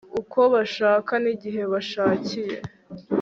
uko bashaka nigihe bashakiye